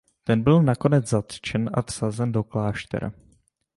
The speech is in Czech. Ten byl nakonec zatčen a vsazen do kláštera.